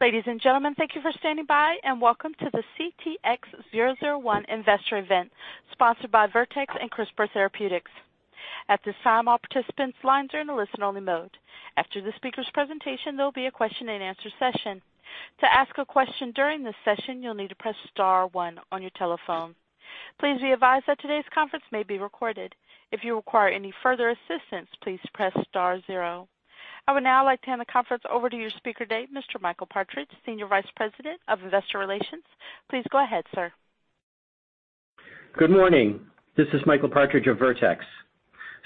Ladies and gentlemen, thank you for standing by, and welcome to the CTX001 Investor Event sponsored by Vertex and CRISPR Therapeutics. I would now like to hand the conference over to your speaker today, Mr. Michael Partridge, Senior Vice President of Investor Relations. Please go ahead, sir. Good morning. This is Michael Partridge of Vertex.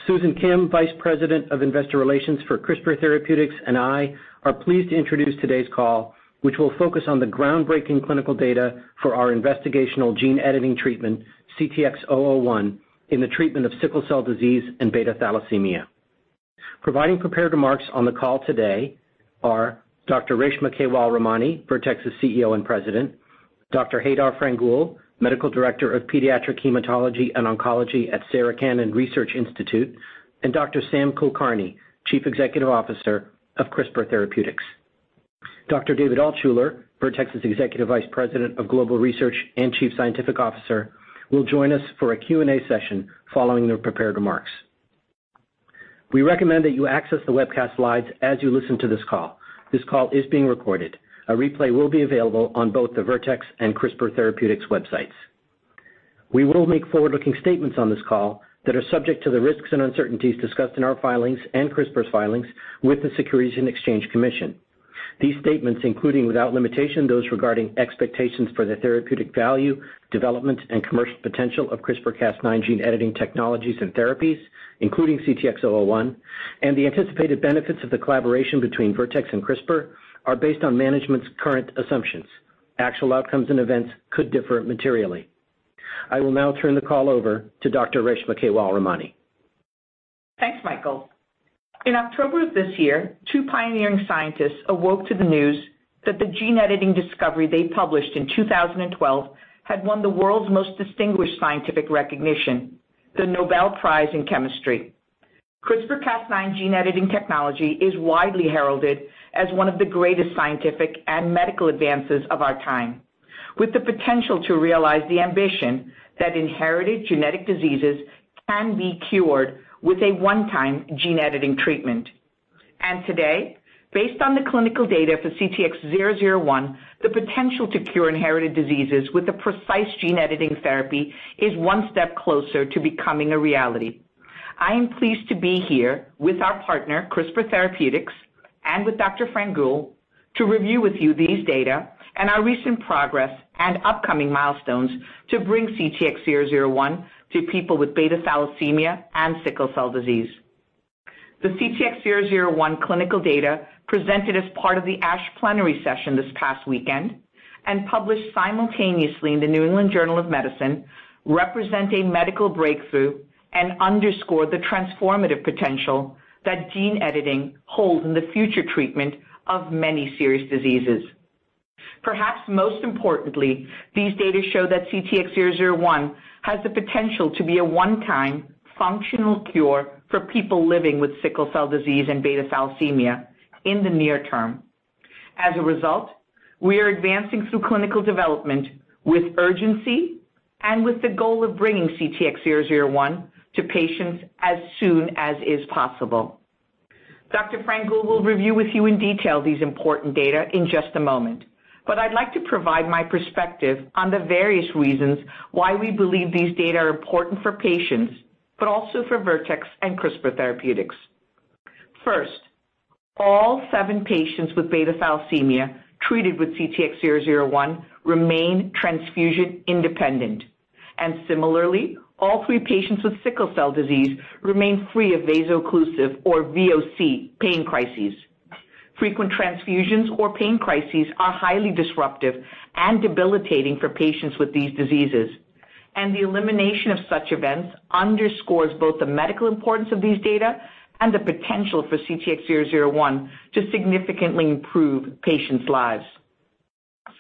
Susan Kim, Vice President of Investor Relations for CRISPR Therapeutics, and I are pleased to introduce today's call, which will focus on the groundbreaking clinical data for our investigational gene editing treatment, CTX001, in the treatment of sickle cell disease and beta-thalassemia. Providing prepared remarks on the call today are Dr. Reshma Kewalramani, Vertex's CEO and President, Dr. Haydar Frangoul, Medical Director of Pediatric Hematology and Oncology at Sarah Cannon Research Institute, and Dr. Samarth Kulkarni, Chief Executive Officer of CRISPR Therapeutics. Dr. David Altshuler, Vertex's Executive Vice President of Global Research and Chief Scientific Officer, will join us for a Q&A session following their prepared remarks. We recommend that you access the webcast slides as you listen to this call. This call is being recorded. A replay will be available on both the Vertex and CRISPR Therapeutics websites. We will make forward-looking statements on this call that are subject to the risks and uncertainties discussed in our filings and CRISPR's filings with the Securities and Exchange Commission. These statements, including without limitation, those regarding expectations for the therapeutic value, development, and commercial potential of CRISPR-Cas9 gene editing technologies and therapies, including CTX001, and the anticipated benefits of the collaboration between Vertex and CRISPR, are based on management's current assumptions. Actual outcomes and events could differ materially. I will now turn the call over to Dr. Reshma Kewalramani. Thanks, Michael. In October of this year, two pioneering scientists awoke to the news that the gene-editing discovery they published in 2012 had won the world's most distinguished scientific recognition, the Nobel Prize in Chemistry. CRISPR-Cas9 gene-editing technology is widely heralded as one of the greatest scientific and medical advances of our time, with the potential to realize the ambition that inherited genetic diseases can be cured with a one-time gene-editing treatment. Today, based on the clinical data for CTX001, the potential to cure inherited diseases with a precise gene-editing therapy is one step closer to becoming a reality. I am pleased to be here with our partner, CRISPR Therapeutics, and with Dr. Frangoul to review with you these data and our recent progress and upcoming milestones to bring CTX001 to people with beta thalassemia and sickle cell disease. The CTX001 clinical data presented as part of the ASH plenary session this past weekend and published simultaneously in "The New England Journal of Medicine," represent a medical breakthrough and underscore the transformative potential that gene editing holds in the future treatment of many serious diseases. Perhaps most importantly, these data show that CTX001 has the potential to be a one-time functional cure for people living with sickle cell disease and beta thalassemia in the near term. As a result, we are advancing through clinical development with urgency and with the goal of bringing CTX001 to patients as soon as is possible. Dr. Frangoul will review with you in detail these important data in just a moment, but I'd like to provide my perspective on the various reasons why we believe these data are important for patients, but also for Vertex and CRISPR Therapeutics. First, all seven patients with beta-thalassemia treated with CTX001 remain transfusion-independent, and similarly, all three patients with sickle cell disease remain free of vaso-occlusive or VOC pain crises. Frequent transfusions or pain crises are highly disruptive and debilitating for patients with these diseases, and the elimination of such events underscores both the medical importance of these data and the potential for CTX001 to significantly improve patients' lives.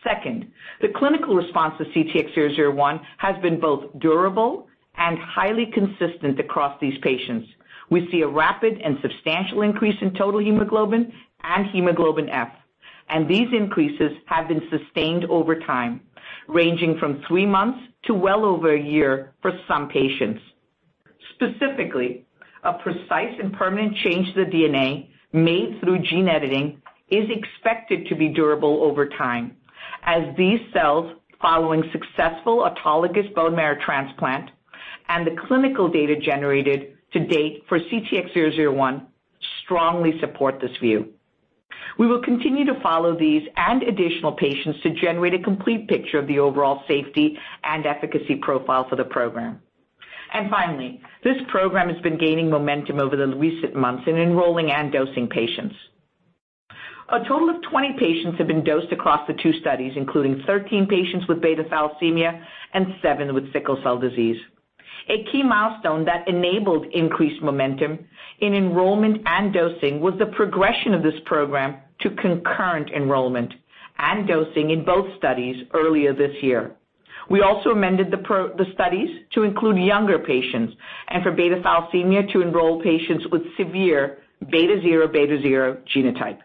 Second, the clinical response to CTX001 has been both durable and highly consistent across these patients. We see a rapid and substantial increase in total hemoglobin and hemoglobin F, and these increases have been sustained over time, ranging from three months to well over one year for some patients. Specifically, a precise and permanent change to the DNA made through gene editing is expected to be durable over time as these cells following successful autologous bone marrow transplant and the clinical data generated to date for CTX001 strongly support this view. We will continue to follow these and additional patients to generate a complete picture of the overall safety and efficacy profile for the program. Finally, this program has been gaining momentum over the recent months in enrolling and dosing patients. A total of 20 patients have been dosed across the two studies, including 13 patients with beta thalassemia and seven with sickle cell disease. A key milestone that enabled increased momentum in enrollment and dosing was the progression of this program to concurrent enrollment and dosing in both studies earlier this year. We also amended the studies to include younger patients and for beta-thalassemia to enroll patients with severe beta-zero, beta-zero genotype.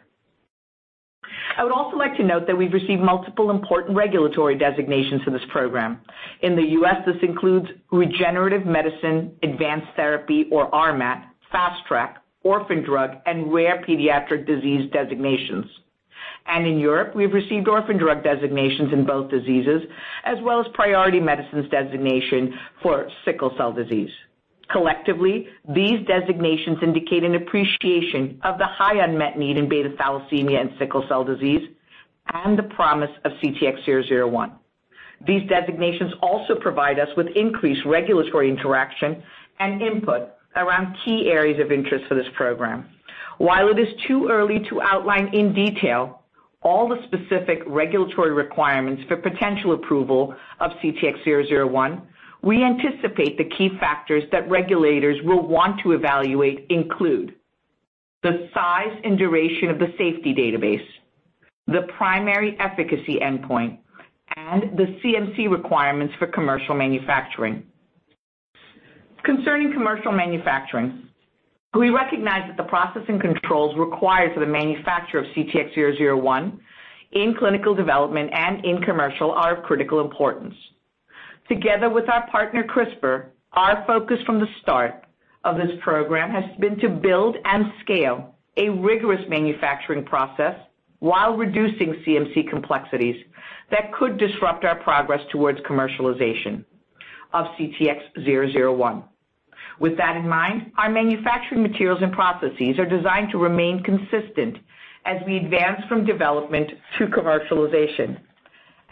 I would also like to note that we've received multiple important regulatory designations for this program. In the U.S., this includes Regenerative Medicine Advanced Therapy, or RMAT, Fast Track, Orphan Drug, and Rare Pediatric Disease designations. In Europe, we've received Orphan Drug designations in both diseases, as well as Priority Medicines designation for sickle cell disease. Collectively, these designations indicate an appreciation of the high unmet need in beta-thalassemia and sickle cell disease and the promise of CTX001. These designations also provide us with increased regulatory interaction and input around key areas of interest for this program. While it is too early to outline in detail all the specific regulatory requirements for potential approval of CTX001, we anticipate the key factors that regulators will want to evaluate include the size and duration of the safety database, the primary efficacy endpoint, and the CMC requirements for commercial manufacturing. Concerning commercial manufacturing, we recognize that the processing controls required for the manufacture of CTX001 in clinical development and in commercial are of critical importance. Together with our partner, CRISPR, our focus from the start of this program has been to build and scale a rigorous manufacturing process while reducing CMC complexities that could disrupt our progress towards commercialization of CTX001. With that in mind, our manufacturing materials and processes are designed to remain consistent as we advance from development to commercialization.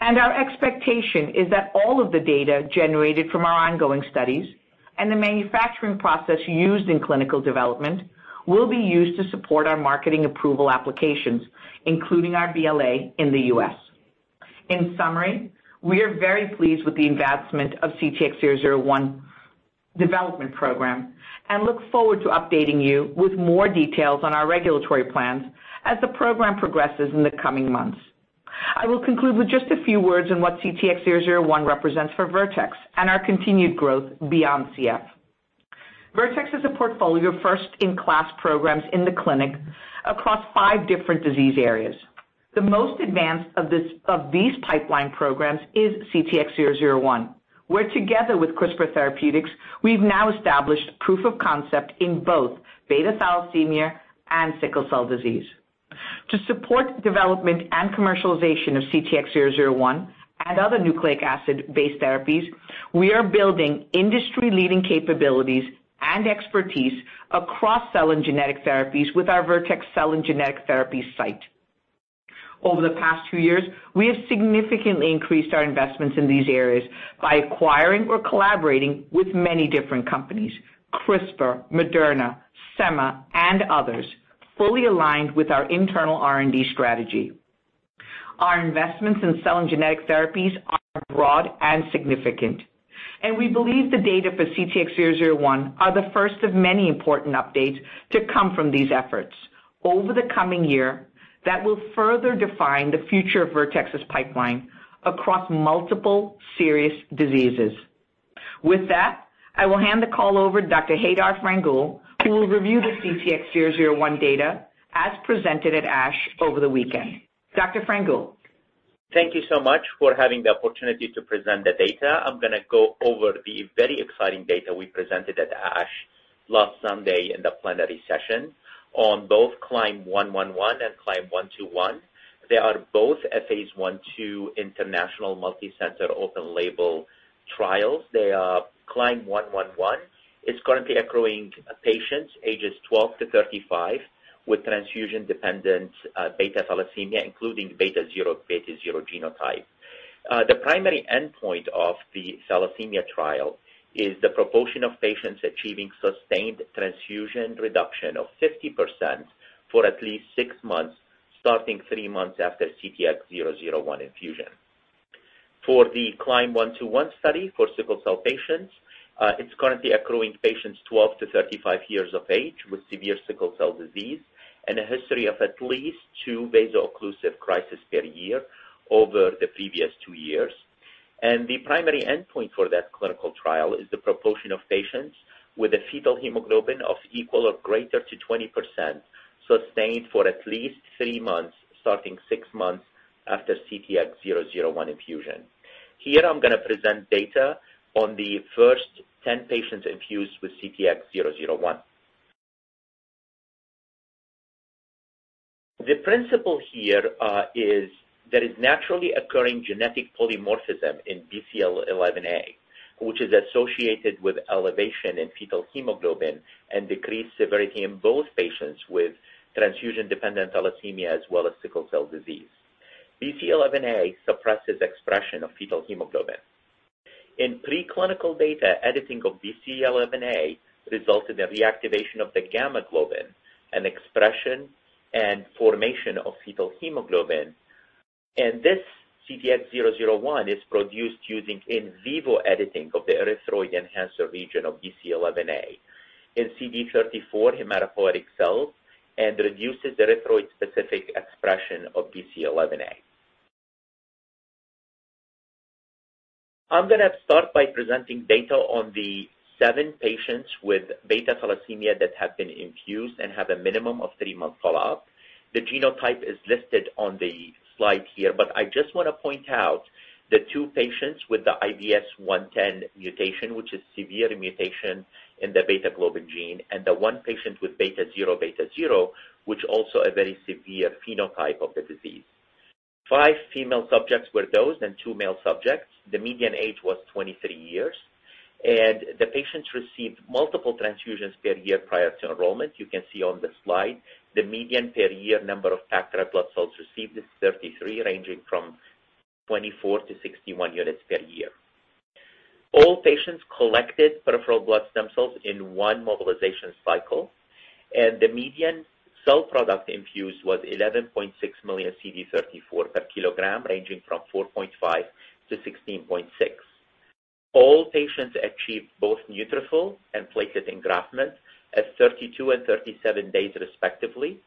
Our expectation is that all of the data generated from our ongoing studies and the manufacturing process used in clinical development will be used to support our marketing approval applications, including our BLA in the U.S. In summary, we are very pleased with the advancement of CTX001 development program and look forward to updating you with more details on our regulatory plans as the program progresses in the coming months. I will conclude with just a few words on what CTX001 represents for Vertex and our continued growth beyond CF. Vertex has a portfolio of first-in-class programs in the clinic across five different disease areas. The most advanced of these pipeline programs is CTX001, where together with CRISPR Therapeutics, we've now established proof of concept in both beta thalassemia and sickle cell disease. To support development and commercialization of CTX001 and other nucleic acid-based therapies, we are building industry-leading capabilities and expertise across cell and genetic therapies with our Vertex Cell and Genetic Therapies site. Over the past few years, we have significantly increased our investments in these areas by acquiring or collaborating with many different companies, CRISPR, Moderna, Semma, and others, fully aligned with our internal R&D strategy. Our investments in cell and genetic therapies are broad and significant, and we believe the data for CTX001 are the first of many important updates to come from these efforts over the coming year that will further define the future of Vertex's pipeline across multiple serious diseases. With that, I will hand the call over to Dr. Haydar Frangoul, who will review the CTX001 data as presented at ASH over the weekend. Dr. Frangoul. Thank you so much for having the opportunity to present the data. I'm going to go over the very exciting data we presented at ASH last Sunday in the plenary session on both CLIMB-111 and CLIMB-121. They are both a phase I/II international multi-center open-label trials. CLIMB-111 is currently accruing patients ages 12-35 with transfusion-dependent beta-thalassemia, including beta-zero, beta-zero genotype. The primary endpoint of the thalassemia trial is the proportion of patients achieving sustained transfusion reduction of 50% for at least six months, starting three months after CTX001 infusion. For the CLIMB-121 study for sickle cell patients, it's currently accruing patients 12-35 years of age with severe sickle cell disease and a history of at least two vaso-occlusive crises per year over the previou two years. The primary endpoint for that clinical trial is the proportion of patients with a fetal hemoglobin of equal or greater to 20%, sustained for at least three months, starting six months after CTX001 infusion. Here, I'm going to present data on the first 10 patients infused with CTX001. The principle here is there is naturally occurring genetic polymorphism in BCL11A, which is associated with elevation in fetal hemoglobin and decreased severity in both patients with transfusion-dependent thalassemia as well as sickle cell disease. BCL11A suppresses expression of fetal hemoglobin. In preclinical data, editing of BCL11A resulted in reactivation of the gamma globin and expression and formation of fetal hemoglobin. This CTX001 is produced using in vivo editing of the erythroid enhancer region of BCL11A in CD34 hematopoietic cells. Reduces erythroid-specific expression of BCL11A. I'm going to start by presenting data on the seven patients with beta-thalassemia that have been infused and have a minimum of three-month follow-up. The genotype is listed on the slide here, but I just want to point out the two patients with the IVS-I-110 mutation, which is severe mutation in the beta-globin gene, and the one patient with beta-zero, beta-zero, which also a very severe phenotype of the disease. Five female subjects were dosed and two male subjects. The median age was 23 years, and the patients received multiple transfusions per year prior to enrollment. You can see on the slide, the median per year number of packed red blood cells received is 33, ranging from 24-61 units per year. All patients collected peripheral blood stem cells in one mobilization cycle. The median cell product infused was 11.6 million CD34 per kilogram, ranging from 4.5-16.6. All patients achieved both neutrophil and platelet engraftment at 32 and 37 days respectively.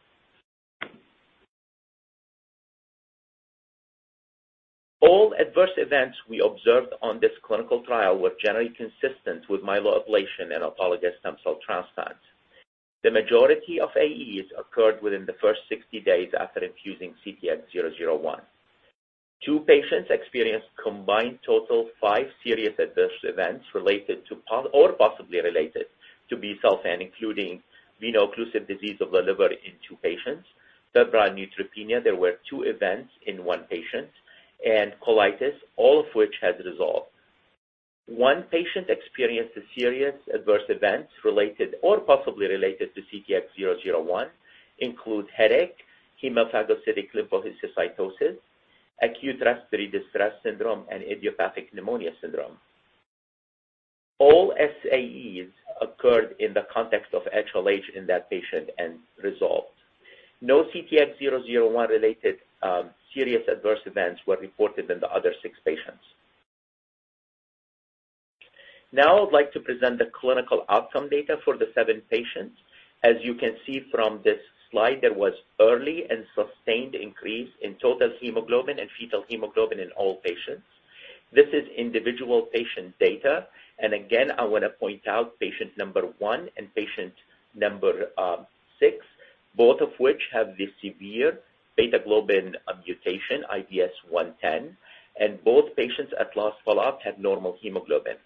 All adverse events we observed on this clinical trial were generally consistent with myeloablation and autologous stem cell transplants. The majority of AEs occurred within the first 60 days after infusing CTX001. Two patients experienced combined total five serious adverse events related to, or possibly related to busulfan, including veno-occlusive disease of the liver in two patients, febrile neutropenia, there were two events in one patient, colitis, all of which has resolved. One patient experienced a serious adverse event related or possibly related to CTX001, include headache, hemophagocytic lymphohistiocytosis, acute respiratory distress syndrome, idiopathic pneumonia syndrome. All SAEs occurred in the context of HLH in that patient and resolved. No CTX001-related serious adverse events were reported in the other six patients. I would like to present the clinical outcome data for the seven patients. As you can see from this slide, there was early and sustained increase in total hemoglobin and fetal hemoglobin in all patients. This is individual patient data, and again, I want to point out patient number one and patient number six, both of which have the severe beta globin mutation, IVS-I-110, and both patients at last follow-up had normal hemoglobin.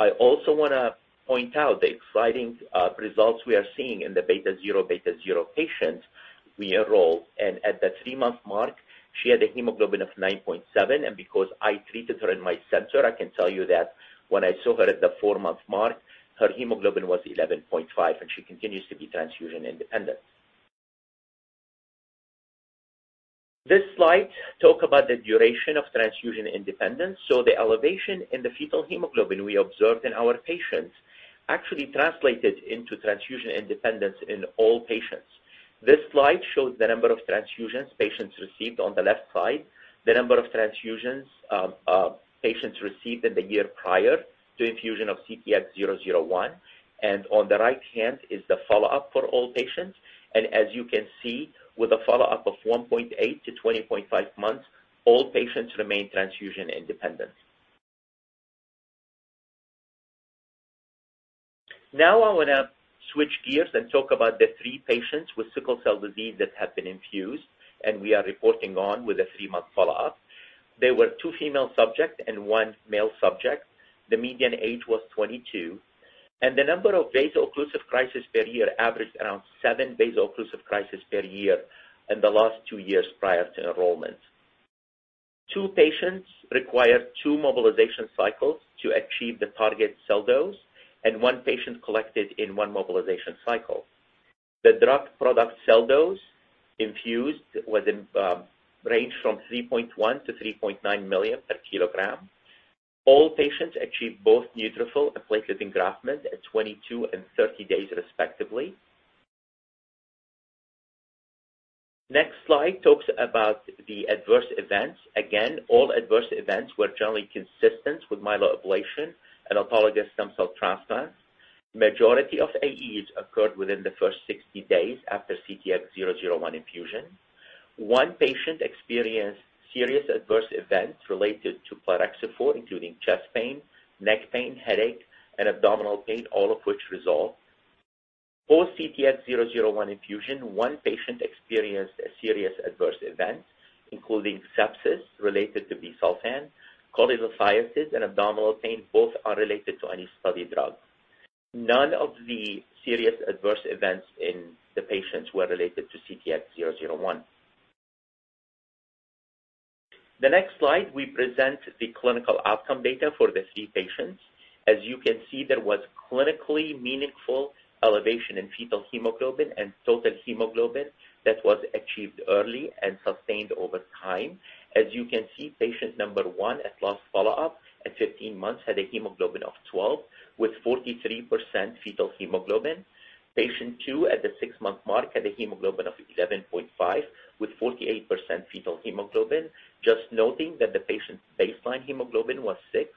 I also want to point out the exciting results we are seeing in the beta zero/beta zero patients we enroll. At the three-month mark, she had a hemoglobin of 9.7, and because I treated her in my center, I can tell you that when I saw her at the four-month mark, her hemoglobin was 11.5, and she continues to be transfusion-independent. This slide talk about the duration of transfusion independence, the elevation in the fetal hemoglobin we observed in our patients actually translated into transfusion independence in all patients. This slide shows the number of transfusions patients received on the left side, the number of transfusions, patients received in the year prior to infusion of CTX001, and on the right hand is the follow-up for all patients. As you can see, with a follow-up of 1.8-20.5 months, all patients remain transfusion independent. I want to switch gears and talk about the three patients with sickle cell disease that have been infused, and we are reporting on with a three-month follow-up. There were two female subjects and one male subject. The median age was 22. The number of vaso-occlusive crisis per year averaged around seven vaso-occlusive crisis per year in the last two years prior to enrollment. Two patients required two mobilization cycles to achieve the target cell dose. One patient collected in one mobilization cycle. The drug product cell dose infused ranged from 3.1 million-3.9 million per kg. All patients achieved both neutrophil and platelet engraftment at 22 and 30 days respectively. Next slide talks about the adverse events. Again, all adverse events were generally consistent with myeloablation and autologous stem cell transplant. Majority of AEs occurred within the first 60 days after CTX001 infusion. 1 patient experienced serious adverse events related to plerixafor, including chest pain, neck pain, headache, and abdominal pain, all of which resolved. Post-CTX001 infusion, one patient experienced a serious adverse event, including sepsis related to busulfan, cholecystitis, and abdominal pain, both unrelated to any study drug. None of the serious adverse events in the patients were related to CTX001. The next slide, we present the clinical outcome data for the 3 patients. As you can see, there was clinically meaningful elevation in fetal hemoglobin and total hemoglobin that was achieved early and sustained over time. As you can see, patient number one at last follow-up at 15 months had a hemoglobin of 12 with 43% fetal hemoglobin. Patient two at the six-month mark had a hemoglobin of 11.5 with 48% fetal hemoglobin. Just noting that the patient's baseline hemoglobin was six.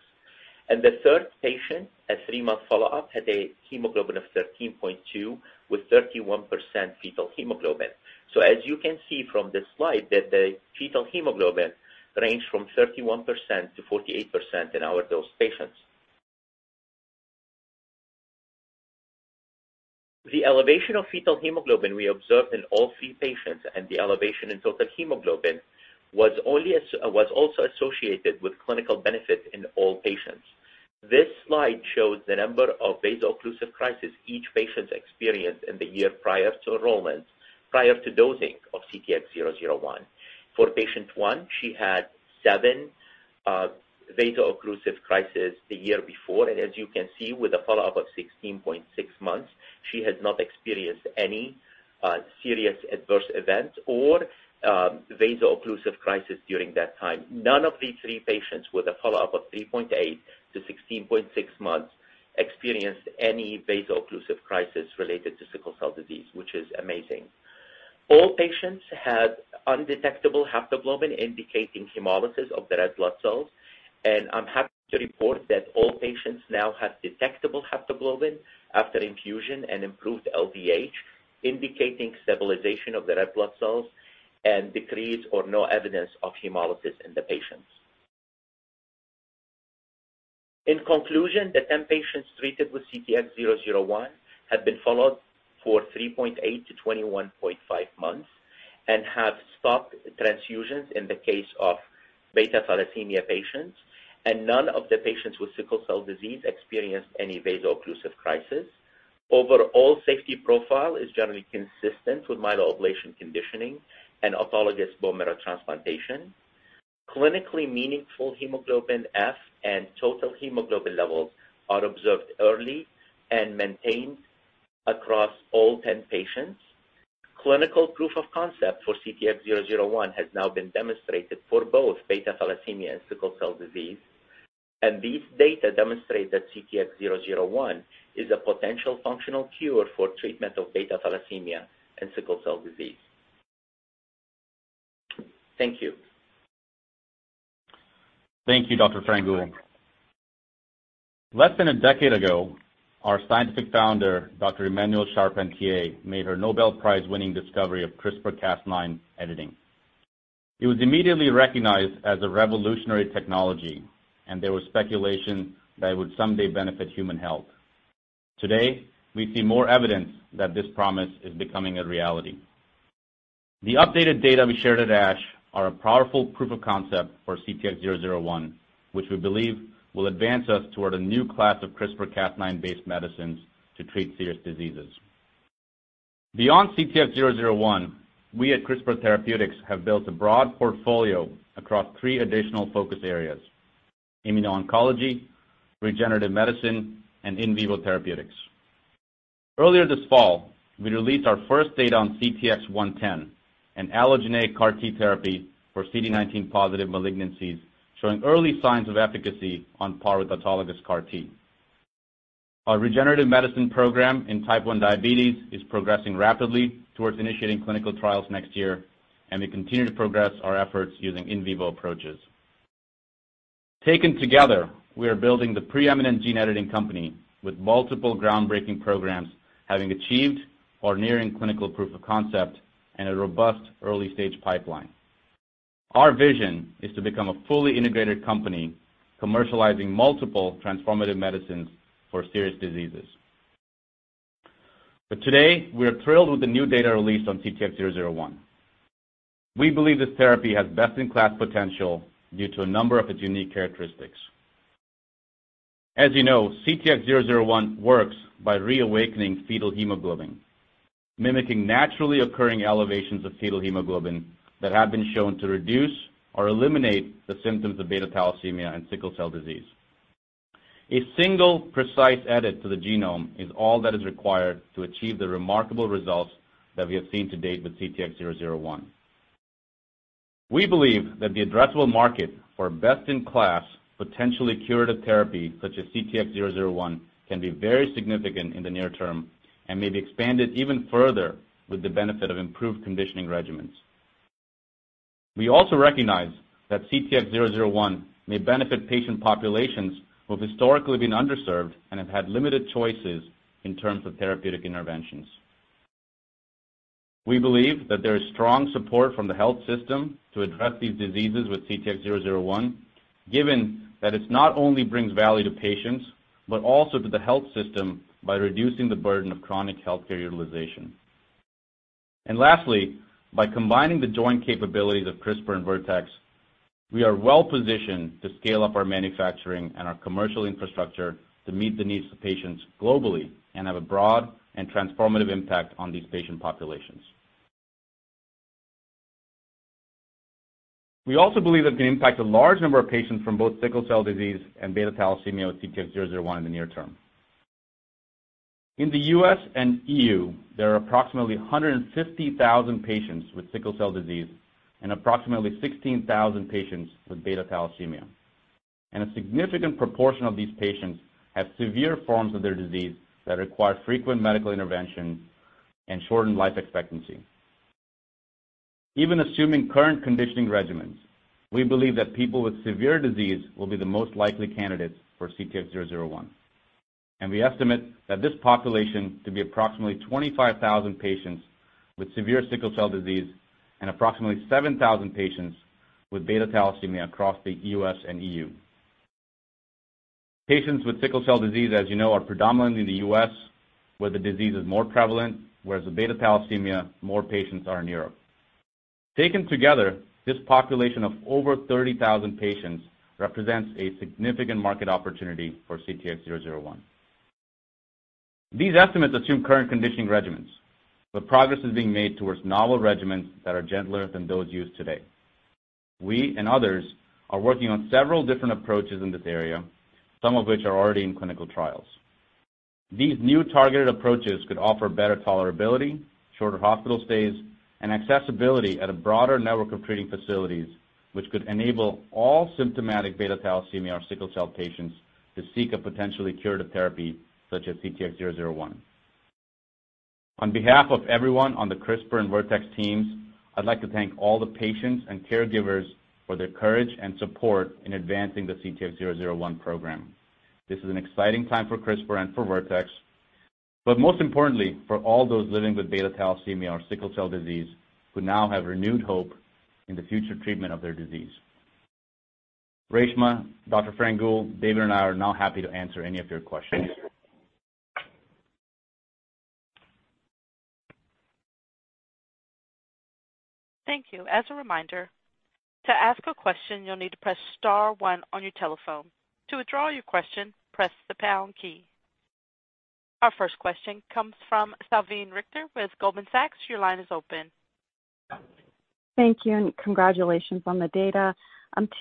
The third patient, at three-month follow-up, had a hemoglobin of 13.2 with 31% fetal hemoglobin. As you can see from this slide that the fetal hemoglobin ranged from 31%-48% in our dose patients. The elevation of fetal hemoglobin we observed in all three patients, and the elevation in total hemoglobin was also associated with clinical benefit in all patients. This slide shows the number of vaso-occlusive crisis each patient experienced in the year prior to enrollment, prior to dosing of CTX001. For patient one, she had seven vaso-occlusive crisis the year before, and as you can see, with a follow-up of 16.6 months, she has not experienced any serious adverse event or vaso-occlusive crisis during that time. None of these three patients with a follow-up of 3.8-16.6 months experienced any vaso-occlusive crisis related to sickle cell disease, which is amazing. All patients had undetectable haptoglobin indicating hemolysis of the red blood cells, and I'm happy to report that all patients now have detectable haptoglobin after infusion and improved LDH, indicating stabilization of the red blood cells and decreased or no evidence of hemolysis in the patients. In conclusion, the 10 patients treated with CTX001 have been followed for 3.8-21.5 months and have stopped transfusions in the case of beta-thalassemia patients, and none of the patients with sickle cell disease experienced any vaso-occlusive crisis. Overall safety profile is generally consistent with myeloablation conditioning and autologous bone marrow transplantation. Clinically meaningful hemoglobin F and total hemoglobin levels are observed early and maintained across all 10 patients. Clinical proof of concept for CTX001 has now been demonstrated for both beta thalassemia and sickle cell disease. These data demonstrate that CTX001 is a potential functional cure for treatment of beta thalassemia and sickle cell disease. Thank you. Thank you, Dr. Frangoul. Less than a decade ago, our scientific founder, Dr. Emmanuelle Charpentier, made her Nobel Prize-winning discovery of CRISPR-Cas9 editing. It was immediately recognized as a revolutionary technology, and there was speculation that it would someday benefit human health. Today, we see more evidence that this promise is becoming a reality. The updated data we shared at ASH are a powerful proof of concept for CTX001, which we believe will advance us toward a new class of CRISPR-Cas9-based medicines to treat serious diseases. Beyond CTX001, we at CRISPR Therapeutics have built a broad portfolio across three additional focus areas: immuno-oncology, regenerative medicine, and in vivo therapeutics. Earlier this fall, we released our first data on CTX110, an allogeneic CAR T therapy for CD19-positive malignancies, showing early signs of efficacy on par with autologous CAR T. Our regenerative medicine program in type 1 diabetes is progressing rapidly towards initiating clinical trials next year, and we continue to progress our efforts using in vivo approaches. Taken together, we are building the preeminent gene-editing company with multiple groundbreaking programs, having achieved or nearing clinical proof of concept and a robust early-stage pipeline. Our vision is to become a fully integrated company, commercializing multiple transformative medicines for serious diseases. Today, we're thrilled with the new data released on CTX001. We believe this therapy has best-in-class potential due to a number of its unique characteristics. As you know, CTX001 works by reawakening fetal hemoglobin, mimicking naturally occurring elevations of fetal hemoglobin that have been shown to reduce or eliminate the symptoms of beta thalassemia and sickle cell disease. A single precise edit to the genome is all that is required to achieve the remarkable results that we have seen to date with CTX001. We believe that the addressable market for best-in-class, potentially curative therapy such as CTX001 can be very significant in the near term and may be expanded even further with the benefit of improved conditioning regimens. We also recognize that CTX001 may benefit patient populations who have historically been underserved and have had limited choices in terms of therapeutic interventions. We believe that there is strong support from the health system to address these diseases with CTX001, given that it not only brings value to patients but also to the health system by reducing the burden of chronic healthcare utilization. Lastly, by combining the joint capabilities of CRISPR and Vertex, we are well-positioned to scale up our manufacturing and our commercial infrastructure to meet the needs of patients globally and have a broad and transformative impact on these patient populations. We also believe that we can impact a large number of patients from both sickle cell disease and beta thalassemia with CTX001 in the near term. In the U.S. and EU, there are approximately 150,000 patients with sickle cell disease and approximately 16,000 patients with beta thalassemia, and a significant proportion of these patients have severe forms of their disease that require frequent medical intervention and shortened life expectancy. Even assuming current conditioning regimens, we believe that people with severe disease will be the most likely candidates for CTX001. We estimate that this population to be approximately 25,000 patients with severe sickle cell disease and approximately 7,000 patients with beta-thalassemia across the U.S. and EU. Patients with sickle cell disease, as you know, are predominant in the U.S. where the disease is more prevalent, whereas the beta-thalassemia, more patients are in Europe. Taken together, this population of over 30,000 patients represents a significant market opportunity for CTX001. These estimates assume current conditioning regimens, but progress is being made towards novel regimens that are gentler than those used today. We and others are working on several different approaches in this area, some of which are already in clinical trials. These new targeted approaches could offer better tolerability, shorter hospital stays, and accessibility at a broader network of treating facilities, which could enable all symptomatic beta-thalassemia or sickle cell patients to seek a potentially curative therapy such as CTX001. On behalf of everyone on the CRISPR and Vertex teams, I'd like to thank all the patients and caregivers for their courage and support in advancing the CTX001 program. This is an exciting time for CRISPR and for Vertex, but most importantly, for all those living with beta-thalassemia or sickle cell disease who now have renewed hope in the future treatment of their disease. Reshma, Dr. Frangoul, David, and I are now happy to answer any of your questions. Thank you. As a reminder, to ask a question, you'll need to press star one on your telephone. To withdraw your question, press the pound key. Our first question comes from Salveen Richter with Goldman Sachs. Your line is open. Thank you, and congratulations on the data.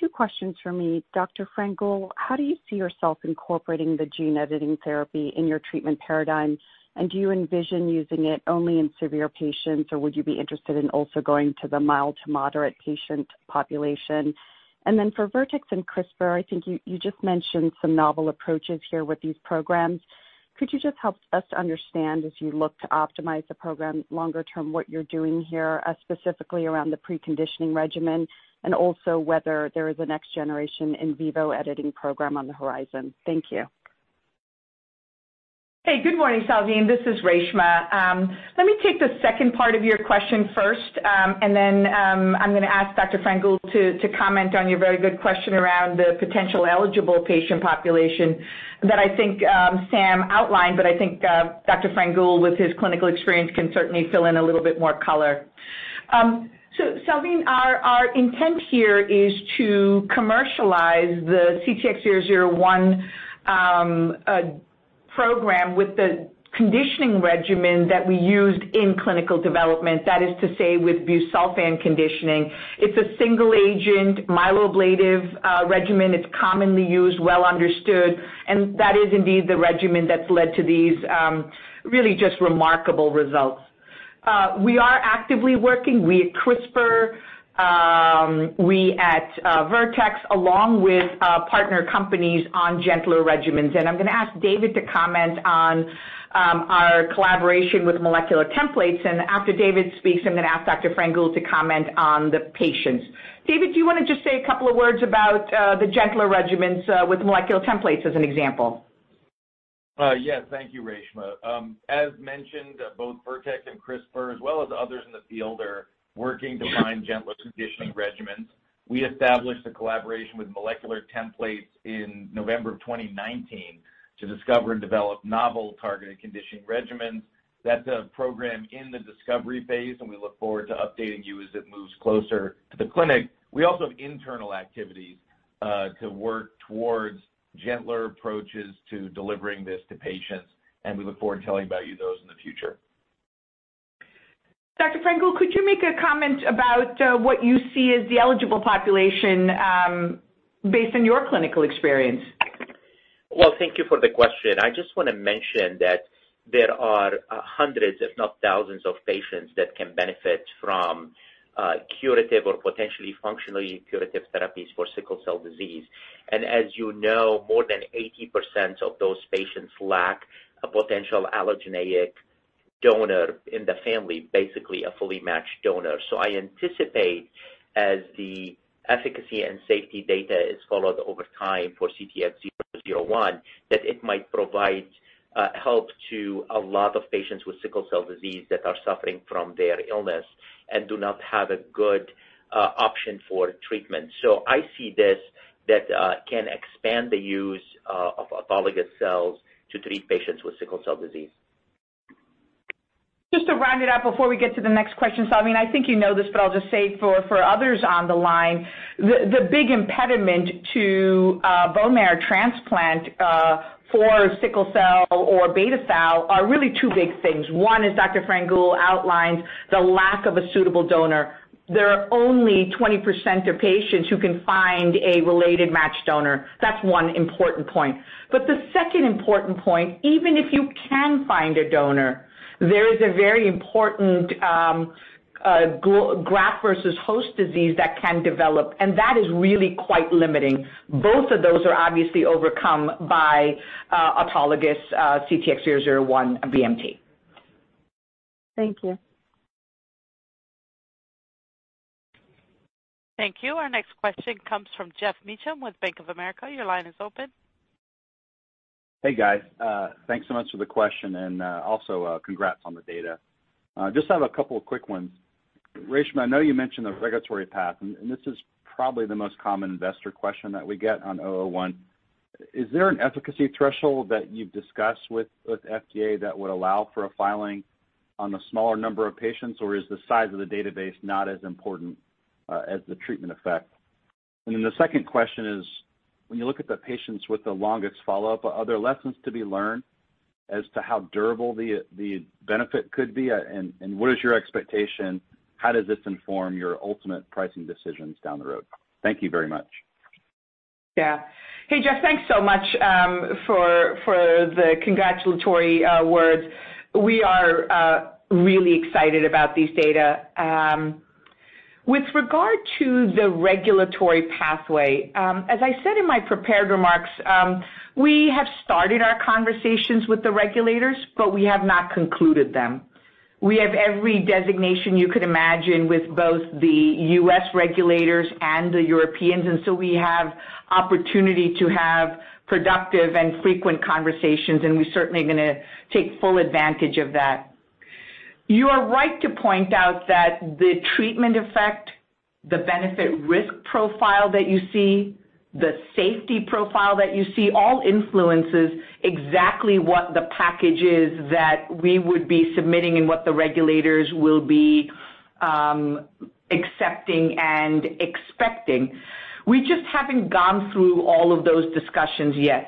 Two questions from me. Dr. Frangoul, how do you see yourself incorporating the gene-editing therapy in your treatment paradigm? Do you envision using it only in severe patients, or would you be interested in also going to the mild to moderate patient population? Then for Vertex and CRISPR, I think you just mentioned some novel approaches here with these programs. Could you just help us to understand, as you look to optimize the program longer term, what you're doing here, specifically around the preconditioning regimen, and also whether there is a next generation in vivo editing program on the horizon? Thank you. Hey, good morning, Salveen. This is Reshma. Let me take the second part of your question first, and then I'm going to ask Dr. Frangoul to comment on your very good question around the potential eligible patient population that I think Sam outlined, but I think Dr. Frangoul, with his clinical experience, can certainly fill in a little bit more color. Salveen, our intent here is to commercialize the CTX001 program with the conditioning regimen that we used in clinical development, that is to say, with busulfan conditioning. It's a single-agent, myeloablative regimen. It's commonly used, well understood, and that is indeed the regimen that's led to these really just remarkable results. We are actively working, we at CRISPR, we at Vertex, along with partner companies on gentler regimens. I'm going to ask David to comment on our collaboration with Molecular Templates. After David speaks, I'm going to ask Dr. Frangoul to comment on the patients. David, do you want to just say a couple of words about the gentler regimens with Molecular Templates as an example? Yes. Thank you, Reshma. As mentioned, both Vertex and CRISPR, as well as others in the field, are working to find gentler conditioning regimens. We established a collaboration with Molecular Templates in November of 2019 to discover and develop novel targeted conditioning regimens. That's a program in the discovery phase, and we look forward to updating you as it moves closer to the clinic. We also have internal activities to work towards gentler approaches to delivering this to patients, and we look forward to telling about you those in the future. Dr. Frangoul, could you make a comment about what you see as the eligible population based on your clinical experience? Well, thank you for the question. I just want to mention that there are hundreds, if not thousands, of patients that can benefit from curative or potentially functionally curative therapies for sickle cell disease. As you know, more than 80% of those patients lack a potential allogeneic donor in the family, basically a fully matched donor. I anticipate as the efficacy and safety data is followed over time for CTX001, that it might provide help to a lot of patients with sickle cell disease that are suffering from their illness and do not have a good option for treatment. I see this that can expand the use of autologous cells to treat patients with sickle cell disease. Just to round it up before we get to the next question, Salveen, I think you know this, but I'll just say for others on the line, the big impediment to bone marrow transplant for sickle cell or beta-thalassemia are really two big things. One, as Dr. Frangoul outlined, the lack of a suitable donor. There are only 20% of patients who can find a related matched donor. That's one important point. The second important point, even if you can find a donor, there is a very important graft versus host disease that can develop, and that is really quite limiting. Both of those are obviously overcome by autologous CTX001 BMT. Thank you. Thank you. Our next question comes from Geoff Meacham with Bank of America. Your line is open. Hey, guys. Thanks so much for the question. Also congrats on the data. Just have a couple of quick ones. Reshma, I know you mentioned the regulatory path. This is probably the most common investor question that we get on 001. Is there an efficacy threshold that you've discussed with FDA that would allow for a filing on the smaller number of patients, or is the size of the database not as important as the treatment effect? The second question is, when you look at the patients with the longest follow-up, are there lessons to be learned as to how durable the benefit could be, and what is your expectation? How does this inform your ultimate pricing decisions down the road? Thank you very much. Yeah. Hey, Geoff. Thanks so much for the congratulatory words. We are really excited about these data. With regard to the regulatory pathway, as I said in my prepared remarks, we have started our conversations with the regulators, but we have not concluded them. We have every designation you could imagine with both the U.S. regulators and the Europeans, and so we have opportunity to have productive and frequent conversations, and we certainly are going to take full advantage of that. You are right to point out that the treatment effect, the benefit-risk profile that you see, the safety profile that you see, all influences exactly what the package is that we would be submitting and what the regulators will be accepting and expecting. We just haven't gone through all of those discussions yet.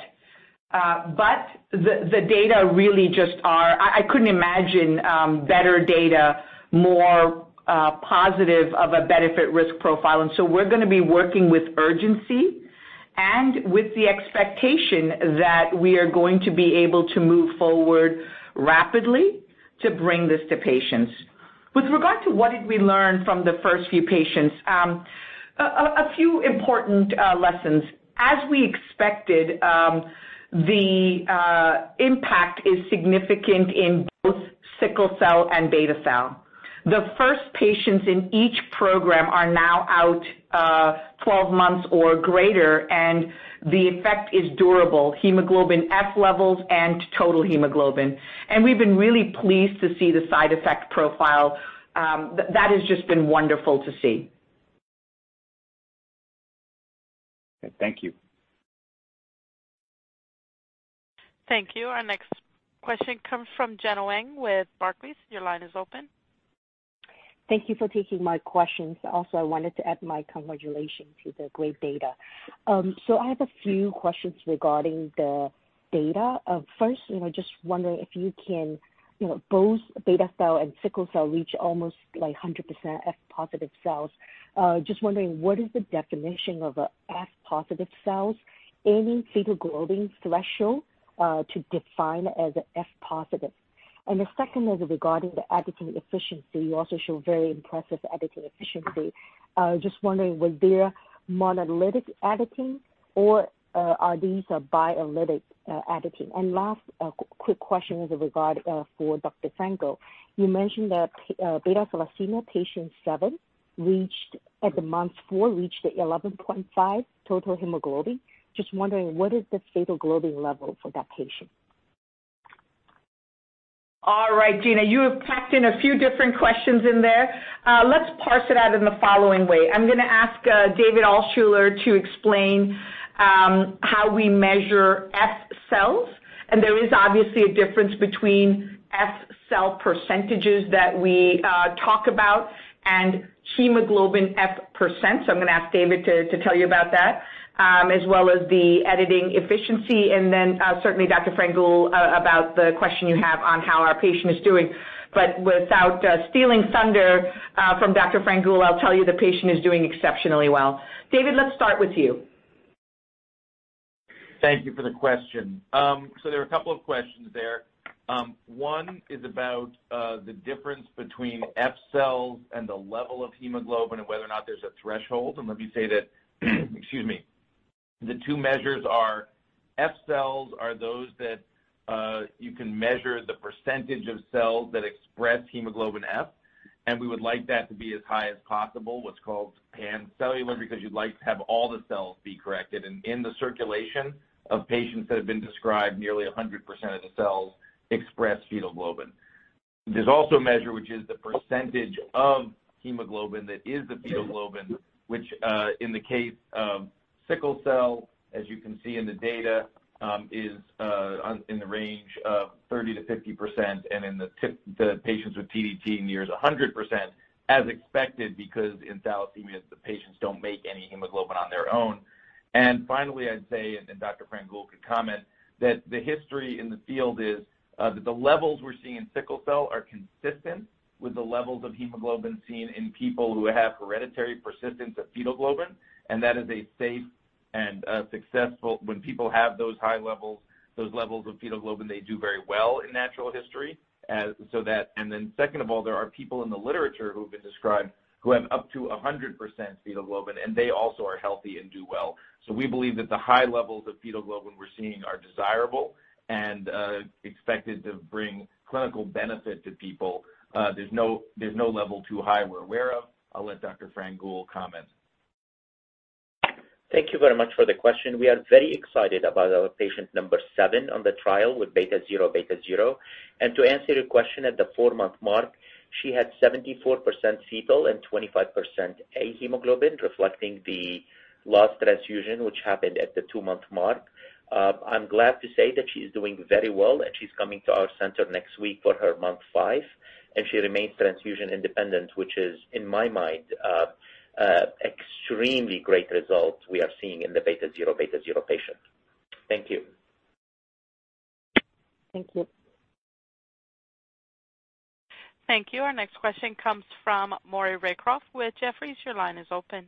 The data really just I couldn't imagine better data, more positive of a benefit-risk profile. We're going to be working with urgency and with the expectation that we are going to be able to move forward rapidly to bring this to patients. With regard to what did we learn from the first few patients, a few important lessons. As we expected, the impact is significant in both sickle cell and beta-thalassemia. The first patients in each program are now out 12 months or greater, and the effect is durable, hemoglobin F levels and total hemoglobin. We've been really pleased to see the side effect profile. That has just been wonderful to see. Okay, thank you. Thank you. Our next question comes from Gena Wang with Barclays. Your line is open. Thank you for taking my questions. I wanted to add my congratulations to the great data. I have a few questions regarding the data. First, both beta-thalassemia and sickle cell reach almost 100% F positive cells. What is the definition of F positive cells? Any fetal globin threshold to define as F positive? The second is regarding the editing efficiency. You also show very impressive editing efficiency. Was there monoallelic editing or are these biallelic editing? Last quick question is regard for Dr. Frangoul. You mentioned that beta-thalassemia patient seven, at the month four, reached the 11.5 total hemoglobin. What is the fetal globin level for that patient? All right, Gena, you have packed in a few different questions in there. Let's parse it out in the following way. I'm going to ask David Altshuler to explain how we measure F cells, and there is obviously a difference between F cell percentages that we talk about and hemoglobin F%. I'm going to ask David to tell you about that, as well as the editing efficiency, and then certainly Dr. Frangoul about the question you have on how our patient is doing. Without stealing thunder from Dr. Frangoul, I'll tell you the patient is doing exceptionally well. David, let's start with you. Thank you for the question. There are a couple of questions there. One is about the difference between F cells and the level of hemoglobin and whether or not there's a threshold. Let me say that, excuse me, the two measures are F cells are those that you can measure the % of cells that express hemoglobin F, and we would like that to be as high as possible, what's called pancellular, because you'd like to have all the cells be corrected. In the circulation of patients that have been described, nearly 100% of the cells express fetal globin. There's also a measure which is the percentage of hemoglobin that is the fetal globin, which in the case of sickle cell, as you can see in the data, is in the range of 30%-50% and in the patients with TDT nears 100%, as expected, because in thalassemia, the patients don't make any hemoglobin on their own. Finally, I'd say, and Dr. Frangoul could comment, that the history in the field is that the levels we're seeing in sickle cell are consistent with the levels of hemoglobin seen in people who have hereditary persistence of fetal globin. When people have those high levels, those levels of fetal globin, they do very well in natural history. Second of all, there are people in the literature who have been described who have up to 100% fetal globin, and they also are healthy and do well. We believe that the high levels of fetal globin we're seeing are desirable and expected to bring clinical benefit to people. There's no level too high we're aware of. I'll let Dr. Frangoul comment. Thank you very much for the question. We are very excited about our patient number seven on the trial with beta-zero beta-zero. To answer your question, at the four-month mark, she had 74% fetal and 25% A hemoglobin, reflecting the last transfusion, which happened at the two-month mark. I'm glad to say that she's doing very well, she's coming to our center next week for her month five, she remains transfusion-independent, which is, in my mind, extremely great results we are seeing in the beta-zero beta-zero patients. Thank you. Thank you. Thank you. Our next question comes from Maury Raycroft with Jefferies. Your line is open.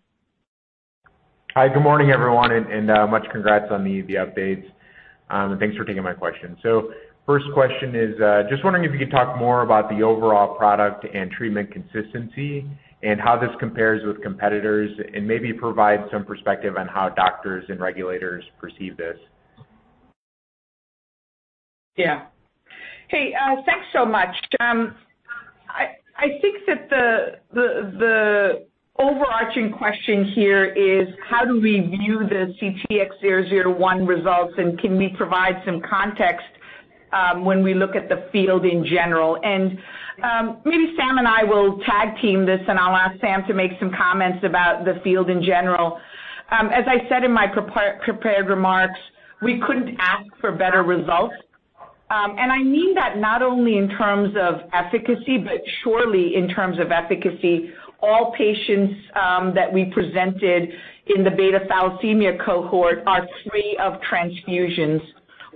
Hi, good morning, everyone, much congrats on the updates. Thanks for taking my question. First question is, just wondering if you could talk more about the overall product and treatment consistency and how this compares with competitors, and maybe provide some perspective on how doctors and regulators perceive this. Yeah. Hey, thanks so much. I think that the overarching question here is how do we view the CTX001 results, and can we provide some context when we look at the field in general? Maybe Sam and I will tag team this, and I'll ask Sam to make some comments about the field in general. As I said in my prepared remarks, we couldn't ask for better results. I mean that not only in terms of efficacy, but surely in terms of efficacy. All patients that we presented in the beta-thalassemia cohort are free of transfusions.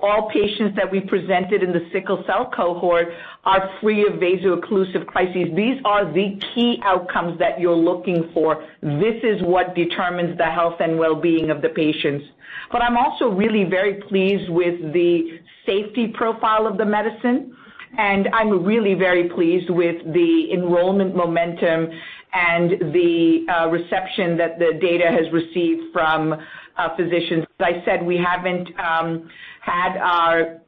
All patients that we presented in the sickle cell cohort are free of vaso-occlusive crises. These are the key outcomes that you're looking for. This is what determines the health and wellbeing of the patients. I'm also really very pleased with the safety profile of the medicine, and I'm really very pleased with the enrollment momentum and the reception that the data has received from physicians. As I said, we haven't had our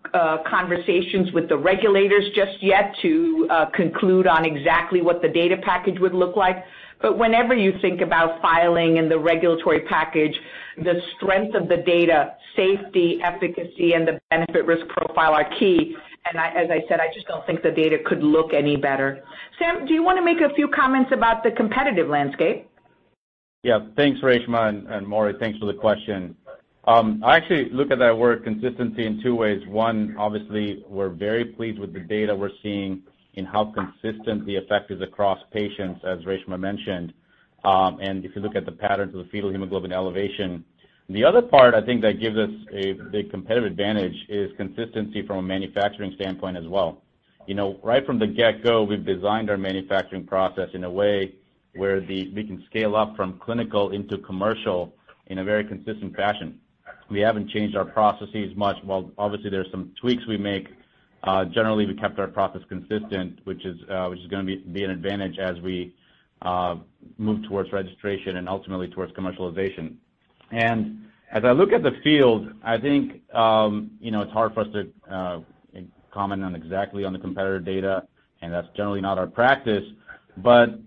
conversations with the regulators just yet to conclude on exactly what the data package would look like. Whenever you think about filing and the regulatory package, the strength of the data, safety, efficacy, and the benefit-risk profile are key. As I said, I just don't think the data could look any better. Sam, do you want to make a few comments about the competitive landscape? Thanks, Reshma, and Maury, thanks for the question. I actually look at that word consistency in two ways. One, obviously, we're very pleased with the data we're seeing in how consistent the effect is across patients, as Reshma mentioned, and if you look at the patterns of the fetal hemoglobin elevation. The other part I think that gives us a big competitive advantage is consistency from a manufacturing standpoint as well. Right from the get-go, we've designed our manufacturing process in a way where we can scale up from clinical into commercial in a very consistent fashion. We haven't changed our processes much. While obviously there's some tweaks we make, generally, we kept our process consistent, which is going to be an advantage as we move towards registration and ultimately towards commercialization. As I look at the field, I think it's hard for us to comment on exactly on the competitor data, and that's generally not our practice.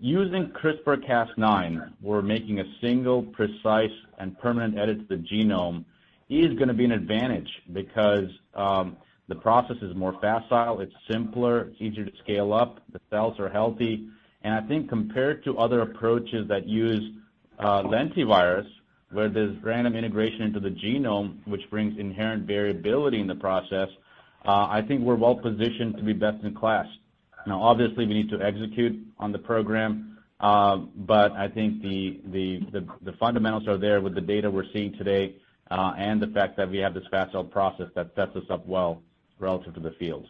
Using CRISPR-Cas9, we're making a single precise and permanent edit to the genome is going to be an advantage because the process is more facile, it's simpler, it's easier to scale up, the cells are healthy. I think compared to other approaches that use lentivirus, where there's random integration into the genome, which brings inherent variability in the process, I think we're well positioned to be best in class. Now, obviously, we need to execute on the program, but I think the fundamentals are there with the data we're seeing today, and the fact that we have this facile process that sets us up well relative to the field.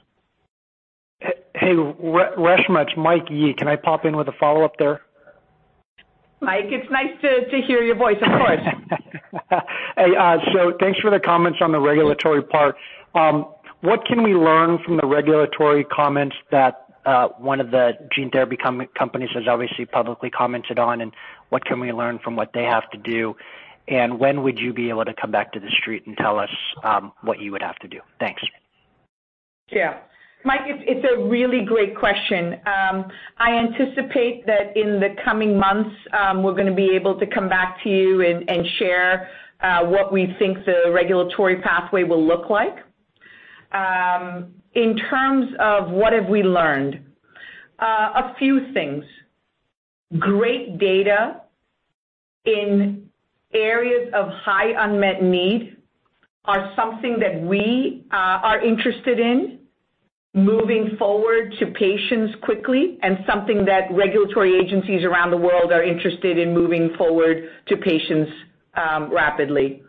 Hey, Reshma, it's Michael Yee. Can I pop in with a follow-up there? Mike, it's nice to hear your voice. Of course. Hey, thanks for the comments on the regulatory part. What can we learn from the regulatory comments that one of the gene therapy companies has obviously publicly commented on, what can we learn from what they have to do? When would you be able to come back to the street and tell us what you would have to do? Thanks. Yeah. Mike, it's a really great question. I anticipate that in the coming months, we're going to be able to come back to you and share what we think the regulatory pathway will look like. In terms of what have we learned, a few things. Great data in areas of high unmet need are something that we are interested in moving forward to patients quickly, and something that regulatory agencies around the world are interested in moving forward to patients rapidly.